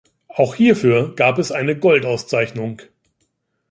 Auch hierfür gab es eine Goldauszeichnung.